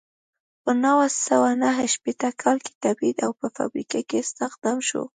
په نولس سوه نهه شپیته کال کې تبعید او په فابریکه کې استخدام شو.